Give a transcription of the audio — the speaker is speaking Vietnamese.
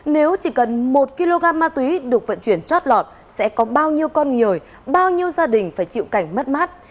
nếu chỉ cần một kg ma túy được vận chuyển chót lọt sẽ có bao nhiêu con người bao nhiêu gia đình phải chịu cảnh mất mát